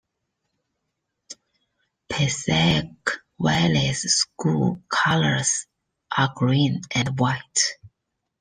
Passaic Valley's school colors are green and white.